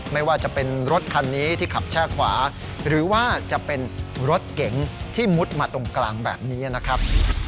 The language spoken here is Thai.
ไม่ว่าจะเป็นรถคันนี้ที่ขับแช่ขวาหรือว่าจะเป็นรถเก๋งที่มุดมาตรงกลางแบบนี้นะครับ